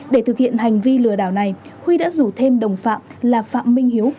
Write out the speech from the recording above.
để thực hiện hành vi lừa đảo này huy đã rủ thêm đồng phạm là phạm minh hiếu